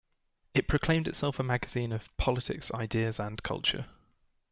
It proclaimed itself a magazine of "politics, ideas and culture".